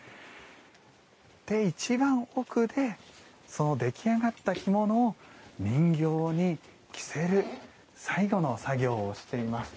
一番奥で出来上がった着物を人形に着せる最後の作業をしています。